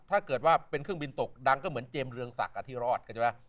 ถ้าเกิดว่าเป็นเครื่องบินตกดังก็เหมือนเจมสเรืองศักดิ์ที่รอดกันใช่ไหม